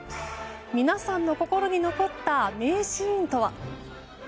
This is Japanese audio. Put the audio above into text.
皆さんの心に残った名シーンとは。